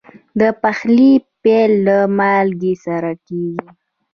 د پخلي پیل له مالګې سره کېږي.